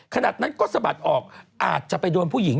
ขนาดนั้นก็สะบัดออกอาจจะไปโดนผู้หญิง